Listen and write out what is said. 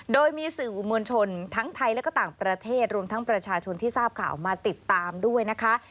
โดยมีสื่ออุมวลชนทั้งไทยและก็ต่างประเทศรวมทั้งประชาชนที่ทราบข่าวมาติดตามด้วยนะคะ